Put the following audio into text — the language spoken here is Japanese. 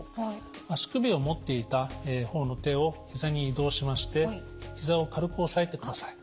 足首を持っていた方の手をひざに移動しましてひざを軽く押さえてください。